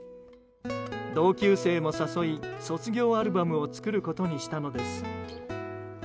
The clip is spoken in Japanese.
同級生も誘い卒業アルバムを作ることにしたのです。